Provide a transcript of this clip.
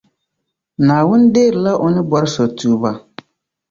Naawuni deerila O ni bɔri so tuuba